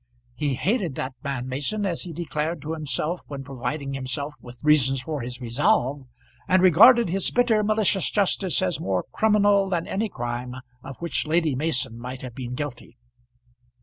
He hated that man Mason, as he declared to himself when providing himself with reasons for his resolve, and regarded his bitter, malicious justice as more criminal than any crime of which Lady Mason might have been guilty.